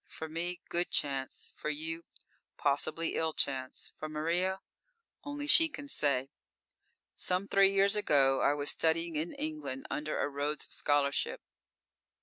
For me, good chance; for you, possibly ill chance; for Maria? Only she can say. Some three years ago I was studying in England under a Rhodes Scholarship.